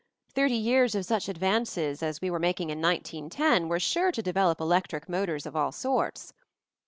Thirty years of such advances as we were making in 1910 were sure to develop electric motors of all sorts."